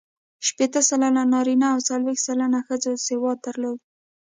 شپېته سلنه نارینه او څلوېښت سلنه ښځو سواد درلود.